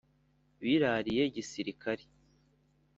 birariye gisirikari